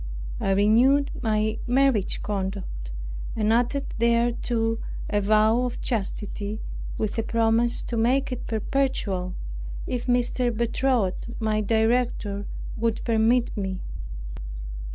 I renewed my marriage contract, and added thereto a vow of chastity, with a promise to make it perpetual, if M. Bertot my director, would permit me.